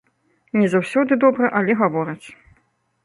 Не заўсёды добра, але гавораць.